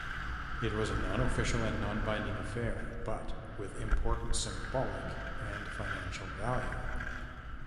It was an unofficial and nonbinding affair, but with important symbolic and financial value.